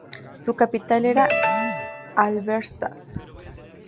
Su capital era Halberstadt.